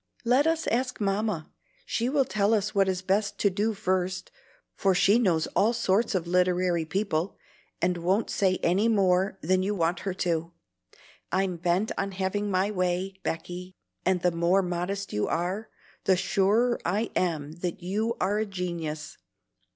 "Let us ask Mamma; she will tell us what is best to do first, for she knows all sorts of literary people, and won't say any more than you want her to. I'm bent on having my way, Becky, and the more modest you are, the surer I am that you are a genius.